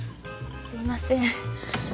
すいません。